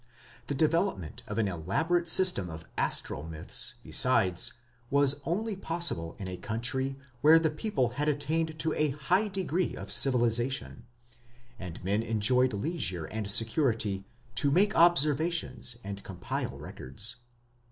The development of an elaborate system of astral myths, besides, was only possible in a country where the people had attained to a high degree of civilization, and men enjoyed leisure and security to make observations and compile records.